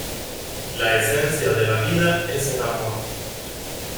La esencia de la vida es el amor.